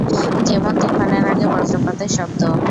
যেমন তুফানের আগে বজ্রপাতের শব্দ।